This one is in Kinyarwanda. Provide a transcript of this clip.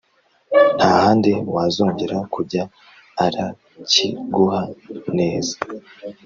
Ntahandi wazongera kujya arakiguha neza